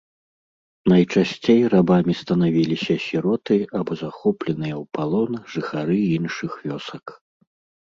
Найчасцей рабамі станавіліся сіроты або захопленыя ў палон жыхары іншых вёсак.